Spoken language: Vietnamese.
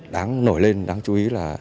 đáng nổi lên đáng chú ý là